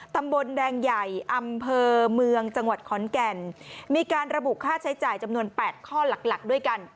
ตำบลแดงใหญ่อำเภอเมืองจังหวัดขอนแก่นมีการระบุค่าใช้จ่ายจำนวน๘ข้อหลักหลักด้วยกัน